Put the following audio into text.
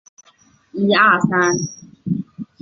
巴伊亚达特莱桑是巴西帕拉伊巴州的一个市镇。